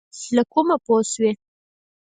له کومه پوه شوې؟